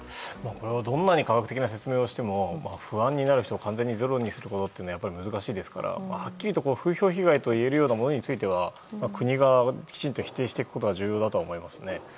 どんなに化学的な説明をしても不安になる人を完全にゼロにすることは難しいですからはっきりと風評被害といえるようなものについては国がきちんと否定していくことが重要だと思いますね。